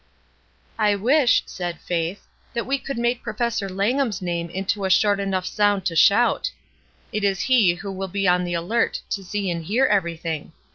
"I wish/' said Faith, "that we could make Professor's Langham's name into a short enough sound to shout. It is he who will be on the alert to see and hear everything.